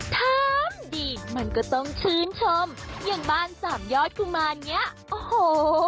ทำดีมันก็ต้องชื่นชมอย่างบ้านสามยอดกุมารเนี้ยโอ้โห